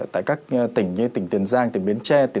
tại các tỉnh như tỉnh tiền giang tỉnh bến tre